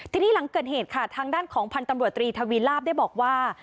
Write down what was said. ทีนี้หลังเกิดเหตุค่ะทางด้านของพันธ์ตำรวจตรีทวีลาบได้บอกว่า